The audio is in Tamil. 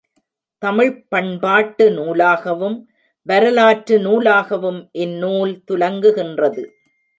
தமிழ்ப் பண்பாட்டு நூலாகவும் வரலாற்று நூலாகவும் இந்நூல் துலங்குகின்றது.